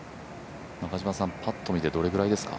パッと見て、どれぐらいですか？